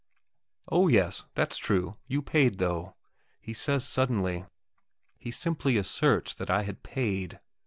"Oh yes, that's true; you paid, though!" he says suddenly. He simply asserts that I had paid.